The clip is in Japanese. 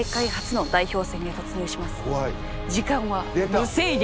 時間は無制限。